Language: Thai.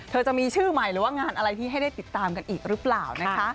จะมีชื่อใหม่หรือว่างานอะไรที่ให้ได้ติดตามกันอีกหรือเปล่านะคะ